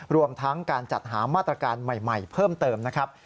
รวมทั้งการจัดหามาตรการใหม่เพิ่มเติมนะครับ